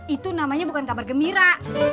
itu namanya bukan kabar gembira